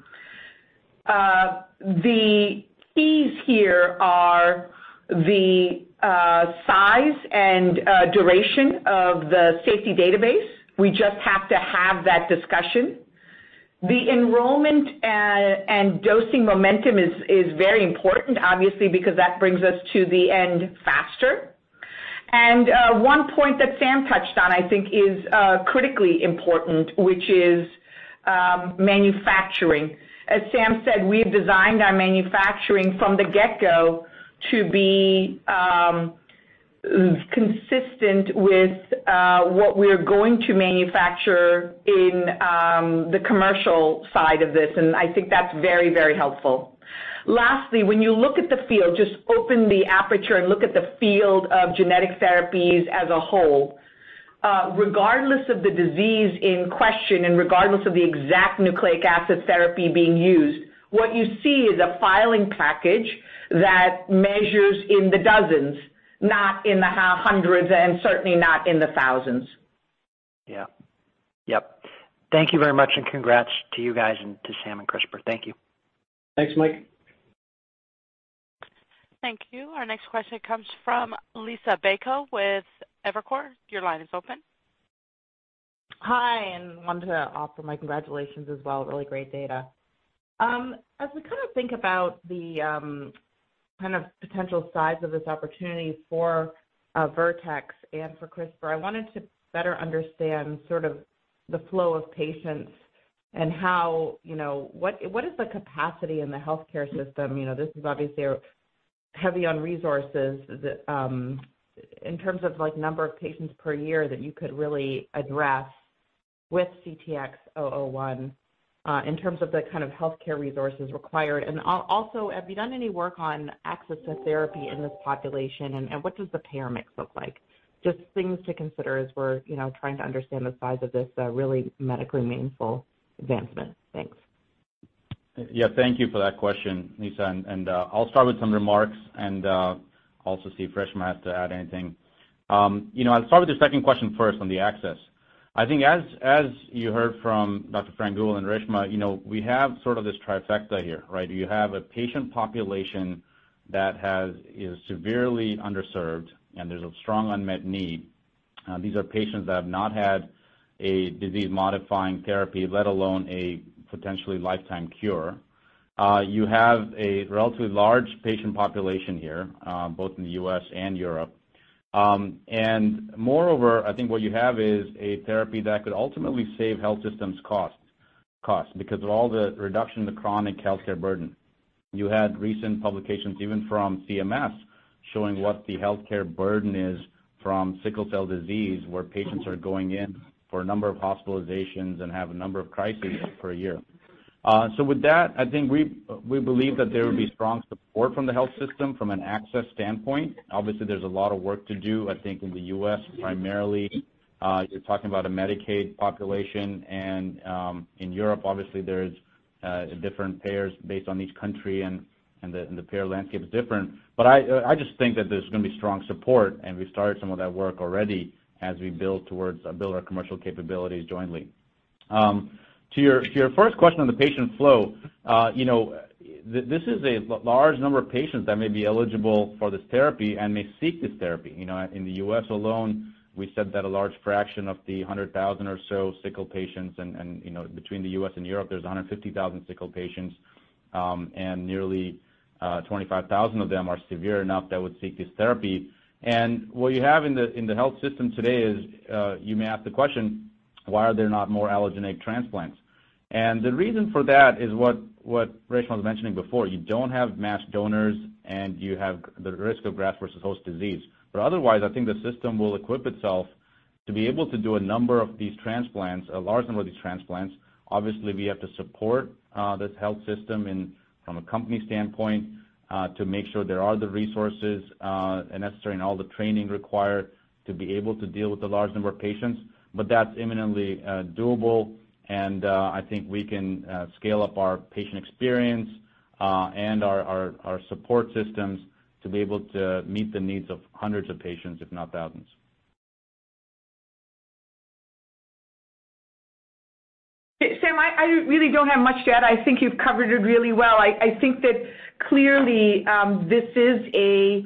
The keys here are the size and duration of the safety database. We just have to have that discussion. The enrollment and dosing momentum is very important, obviously, because that brings us to the end faster. One point that Sam touched on, I think is critically important, which is manufacturing. As Sam said, we've designed our manufacturing from the get-go to be consistent with what we're going to manufacture in the commercial side of this, and I think that's very, very helpful. Lastly, when you look at the field, just open the aperture and look at the field of genetic therapies as a whole. Regardless of the disease in question and regardless of the exact nucleic acid therapy being used, what you see is a filing package that measures in the dozens, not in the hundreds, and certainly not in the thousands. Yeah. Thank you very much, and congrats to you guys and to Sam and CRISPR. Thank you. Thanks, Mike. Thank you. Our next question comes from Liisa Bayko with Evercore. Your line is open. Hi, and wanted to offer my congratulations as well. Really great data. As we think about the potential size of this opportunity for Vertex and for CRISPR, I wanted to better understand the flow of patients and what is the capacity in the healthcare system. This is obviously heavy on resources that, in terms of number of patients per year that you could really address with CTX001, in terms of the kind of healthcare resources required. Also, have you done any work on access to therapy in this population? What does the payer mix look like? Just things to consider as we're trying to understand the size of this really medically meaningful advancement. Thanks. Yeah. Thank you for that question, Liisa. I'll start with some remarks and also see if Reshma has to add anything. I'll start with the second question first on the access. I think as you heard from Dr. Frangoul and Reshma, we have sort of this trifecta here, right? You have a patient population that is severely underserved, and there's a strong unmet need. These are patients that have not had a disease-modifying therapy, let alone a potentially lifetime cure. You have a relatively large patient population here, both in the U.S. and Europe. Moreover, I think what you have is a therapy that could ultimately save health systems costs because of all the reduction in the chronic healthcare burden. You had recent publications, even from CMS, showing what the healthcare burden is from sickle cell disease, where patients are going in for a number of hospitalizations and have a number of crises per year. With that, I think we believe that there would be strong support from the health system from an access standpoint. Obviously, there's a lot of work to do, I think, in the U.S. primarily. You're talking about a Medicaid population, in Europe, obviously there's different payers based on each country and the payer landscape is different. I just think that there's going to be strong support, we've started some of that work already as we build our commercial capabilities jointly. To your first question on the patient flow. This is a large number of patients that may be eligible for this therapy and may seek this therapy. In the U.S. alone, we said that a large fraction of the 100,000 or so sickle patients, and between the U.S. and Europe, there's 150,000 sickle patients. Nearly 25,000 of them are severe enough that would seek this therapy. What you have in the health system today is, you may ask the question, "Why are there not more allogeneic transplants?" The reason for that is what Reshma was mentioning before. You don't have matched donors, and you have the risk of graft versus host disease. Otherwise, I think the system will equip itself to be able to do a number of these transplants, a large number of these transplants. Obviously, we have to support this health system from a company standpoint, to make sure there are the resources necessary and all the training required to be able to deal with a large number of patients. That's imminently doable, and I think we can scale up our patient experience, and our support systems to be able to meet the needs of hundreds of patients, if not thousands. Sam, I really don't have much to add. I think you've covered it really well. I think that clearly, this is a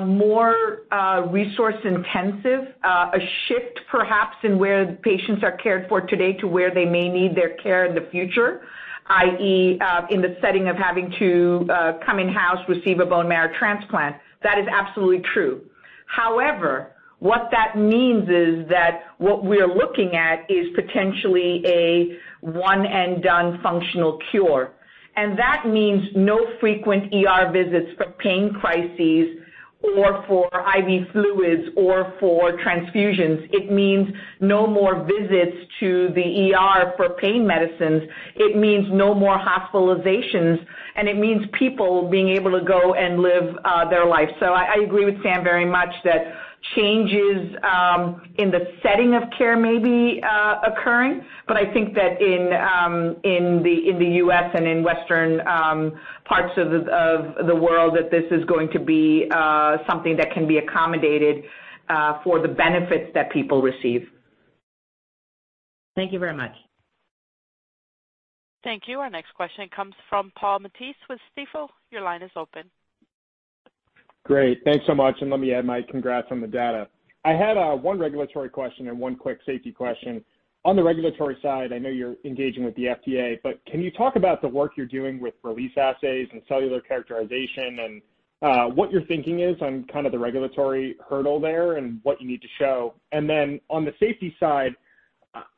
more resource-intensive, a shift perhaps in where the patients are cared for today to where they may need their care in the future, i.e., in the setting of having to come in-house, receive a bone marrow transplant. That is absolutely true. However, what that means is that what we're looking at is potentially a one and done functional cure. That means no frequent ER visits for pain crises or for IV fluids or for transfusions. It means no more visits to the ER for pain medicines. It means no more hospitalizations, and it means people being able to go and live their life. I agree with Sam very much that changes in the setting of care may be occurring, but I think that in the U.S. and in Western parts of the world, that this is going to be something that can be accommodated for the benefits that people receive. Thank you very much. Thank you. Our next question comes from Paul Matteis with Stifel. Your line is open. Great. Thanks so much, and let me add my congrats on the data. I had one regulatory question and one quick safety question. On the regulatory side, I know you're engaging with the FDA, but can you talk about the work you're doing with release assays and cellular characterization and what your thinking is on kind of the regulatory hurdle there and what you need to show? On the safety side,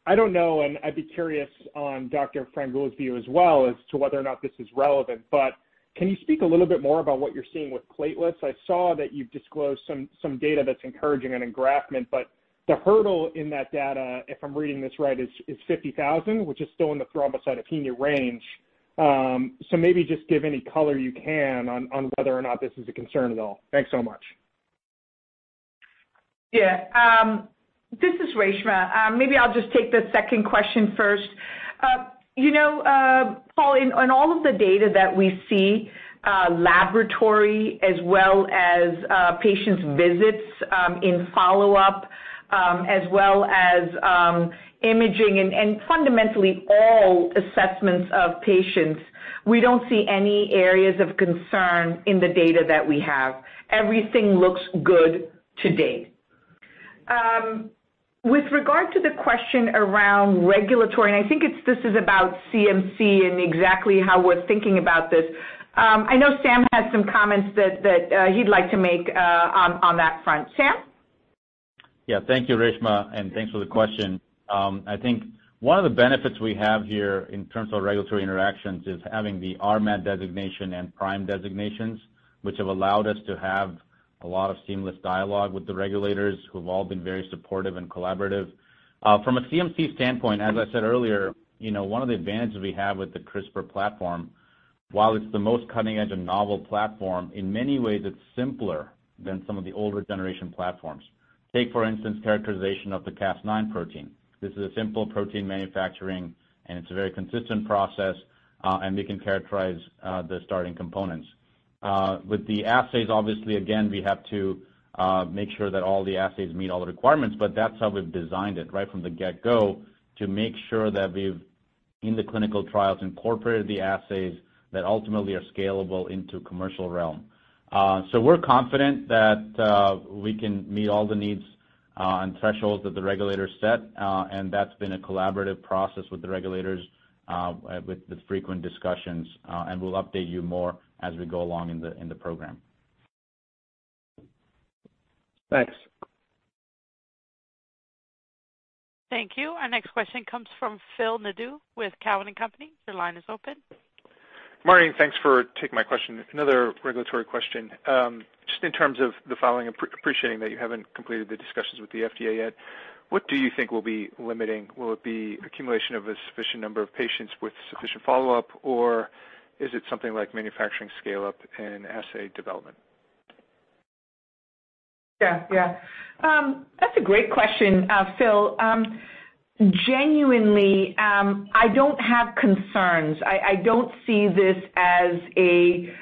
I don't know, and I'd be curious on Dr. Frangoul's view as well as to whether or not this is relevant, but can you speak a little bit more about what you're seeing with platelets? I saw that you've disclosed some data that's encouraging on engraftment, but the hurdle in that data, if I'm reading this right, is 50,000, which is still in the thrombocytopenia range. Maybe just give any color you can on whether or not this is a concern at all. Thanks so much. Yeah. This is Reshma. Maybe I'll just take the second question first. Paul, in all of the data that we see, laboratory as well as patients' visits in follow-up, as well as imaging and fundamentally all assessments of patients, we don't see any areas of concern in the data that we have. Everything looks good to date. With regard to the question around regulatory, and I think this is about CMC and exactly how we're thinking about this. I know Sam has some comments that he'd like to make on that front. Sam? Yeah. Thank you, Reshma. Thanks for the question. I think one of the benefits we have here in terms of regulatory interactions is having the RMAT designation and PRIME designations, which have allowed us to have a lot of seamless dialogue with the regulators, who've all been very supportive and collaborative. From a CMC standpoint, as I said earlier, one of the advantages we have with the CRISPR platform, while it's the most cutting-edge and novel platform, in many ways, it's simpler than some of the older generation platforms. Take, for instance, characterization of the Cas9 protein. This is a simple protein manufacturing. It's a very consistent process. We can characterize the starting components. With the assays, obviously, again, we have to make sure that all the assays meet all the requirements, but that's how we've designed it right from the get-go to make sure that we've, in the clinical trials, incorporated the assays that ultimately are scalable into commercial realm. We're confident that we can meet all the needs and thresholds that the regulators set. That's been a collaborative process with the regulators, with the frequent discussions. We'll update you more as we go along in the program. Thanks. Thank you. Our next question comes from Phil Nadeau with Cowen and Company. Your line is open. Marian, thanks for taking my question. Another regulatory question. Just in terms of the following, appreciating that you haven't completed the discussions with the FDA yet, what do you think will be limiting? Will it be accumulation of a sufficient number of patients with sufficient follow-up, or is it something like manufacturing scale-up and assay development? Yeah. That's a great question, Phil. Genuinely, I don't have concerns. I don't see this as a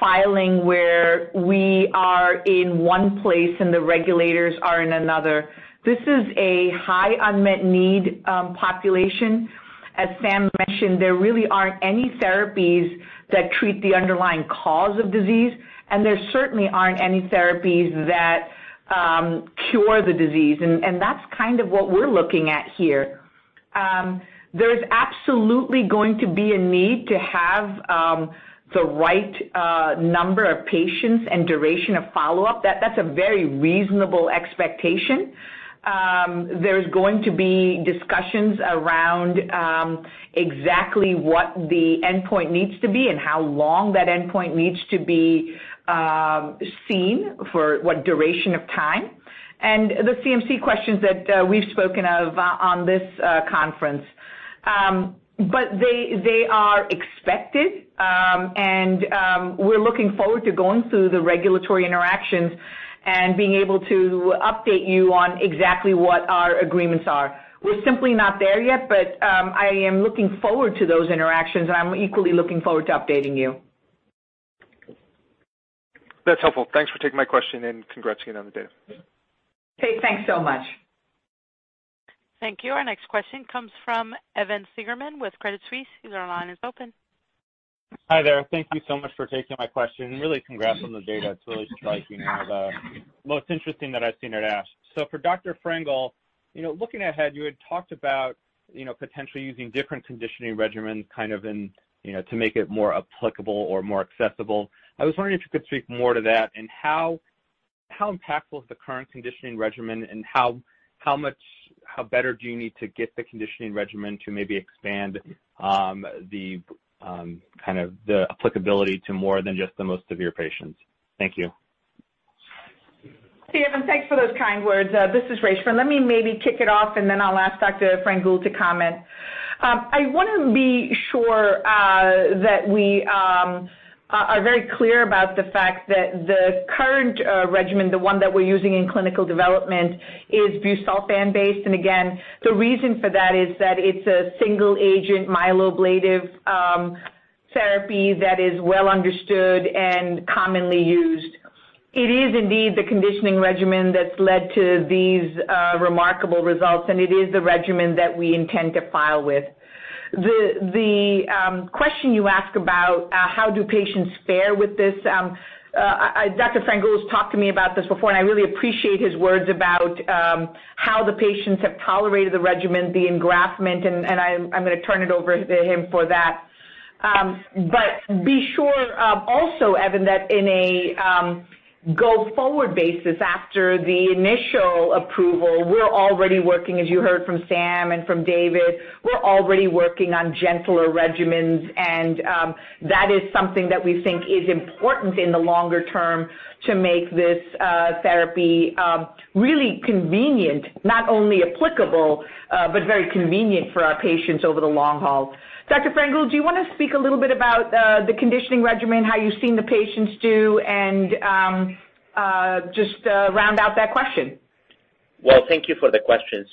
filing where we are in one place and the regulators are in another. This is a high unmet need population. As Sam mentioned, there really aren't any therapies that treat the underlying cause of disease, and there certainly aren't any therapies that cure the disease. That's kind of what we're looking at here. There's absolutely going to be a need to have the right number of patients and duration of follow-up. That's a very reasonable expectation. There's going to be discussions around exactly what the endpoint needs to be and how long that endpoint needs to be seen for what duration of time, and the CMC questions that we've spoken of on this conference. They are expected, and we're looking forward to going through the regulatory interactions and being able to update you on exactly what our agreements are. We're simply not there yet, but I am looking forward to those interactions, and I'm equally looking forward to updating you. That's helpful. Thanks for taking my question. Congrats again on the data. Okay, thanks so much. Thank you. Our next question comes from Evan Seigerman with Credit Suisse. Your line is open. Hi there. Thank you so much for taking my question, really congrats on the data. It's really striking, the most interesting that I've seen at ASH. For Dr. Frangoul, looking ahead, you had talked about potentially using different conditioning regimens to make it more applicable or more accessible. I was wondering if you could speak more to that and how impactful is the current conditioning regimen and how better do you need to get the conditioning regimen to maybe expand the applicability to more than just the most severe patients? Thank you. Evan, thanks for those kind words. This is Reshma. Let me maybe kick it off, then I'll ask Dr. Frangoul to comment. I want to be sure that we are very clear about the fact that the current regimen, the one that we're using in clinical development, is busulfan-based. Again, the reason for that is that it's a single-agent myeloablative therapy that is well understood and commonly used. It is indeed the conditioning regimen that's led to these remarkable results, and it is the regimen that we intend to file with. The question you ask about how do patients fare with this, Dr. Frangoul's talked to me about this before, and I really appreciate his words about how the patients have tolerated the regimen, the engraftment, and I'm going to turn it over to him for that. Be sure also, Evan Seigerman, that in a go-forward basis after the initial approval, we're already working, as you heard from Sam and from David, on gentler regimens. That is something that we think is important in the longer term to make this therapy really convenient, not only applicable, but very convenient for our patients over the long haul. Dr. Frangoul, do you want to speak a little bit about the conditioning regimen, how you've seen the patients do, and just round out that question? Well, thank you for the question.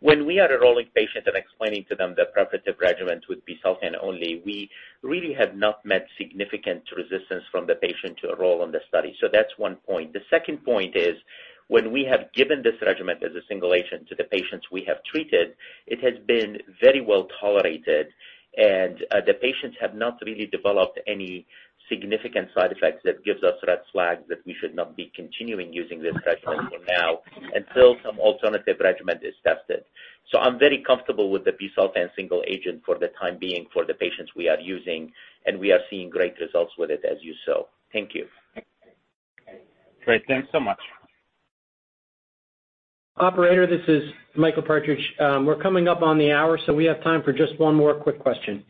When we are enrolling patients and explaining to them the preparative regimen with busulfan only, we really have not met significant resistance from the patient to enroll in the study. That's one point. The second point is, when we have given this regimen as a single agent to the patients we have treated, it has been very well-tolerated, and the patients have not really developed any significant side effects that gives us red flags that we should not be continuing using this regimen for now until some alternative regimen is tested. I'm very comfortable with the busulfan single agent for the time being for the patients we are using, and we are seeing great results with it as you saw. Thank you. Great. Thanks so much. Operator, this is Michael Partridge. We're coming up on the hour, so we have time for just one more quick question.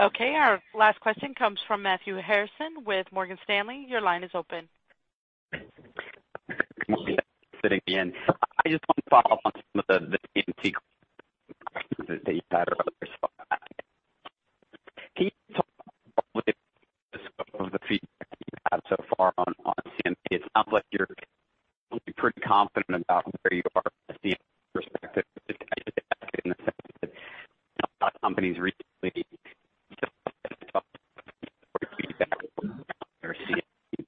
Okay, our last question comes from Matthew Harrison with Morgan Stanley. Your line is open. Matthew Harrison again. I just want to follow up on some of the CMC questions that you had earlier. Can you talk about the scope of the feedback that you've had so far on CMC? It sounds like you're pretty confident about where you are from a CMC perspective. Companies recently feedback on their CMC.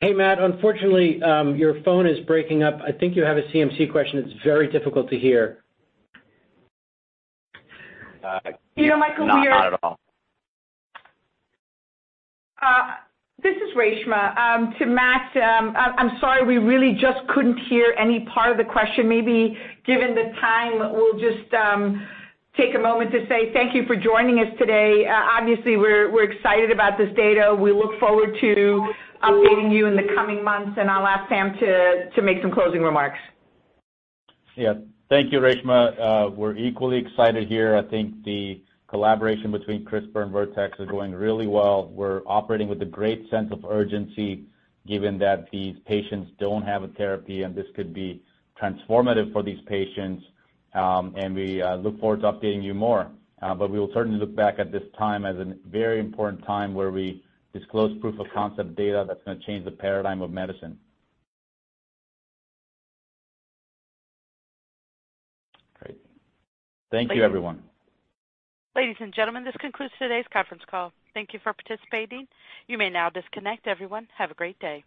Hey, Matt, unfortunately, your phone is breaking up. I think you have a CMC question. It's very difficult to hear. You know, Michael, Not at all. This is Reshma. To Matt, I'm sorry, we really just couldn't hear any part of the question. Maybe given the time, we'll just take a moment to say thank you for joining us today. Obviously, we're excited about this data. We look forward to updating you in the coming months, and I'll ask Sam to make some closing remarks. Thank you, Reshma. We're equally excited here. I think the collaboration between CRISPR and Vertex is going really well. We're operating with a great sense of urgency given that these patients don't have a therapy. This could be transformative for these patients, and we look forward to updating you more. We will certainly look back at this time as a very important time where we disclosed proof-of-concept data that's going to change the paradigm of medicine. Great. Thank you, everyone. Ladies and gentlemen, this concludes today's conference call. Thank you for participating. You may now disconnect everyone. Have a great day.